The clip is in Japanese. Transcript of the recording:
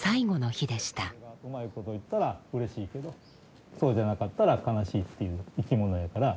うまいこといったらうれしいけどそうじゃなかったら悲しいっていう生き物やから。